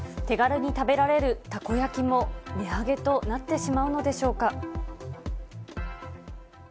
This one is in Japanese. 手軽に食べられるたこ焼きも値上げとなってしまうのでしょうか。